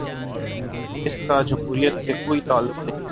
اس کا جمہوریت سے کوئی تعلق نہیں۔